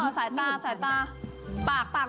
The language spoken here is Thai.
มองทางซ้ายแล้วก็มองให้ฝัน